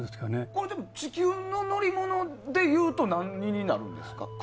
これ、でも地球の乗り物で言うと何ですか？